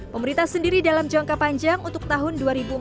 pemerintah sendiri dalam jangka panjang untuk tahun dua ribu empat puluh